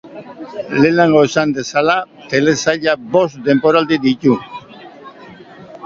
Lehenago esan bezala, telesailak bost denboraldi ditu.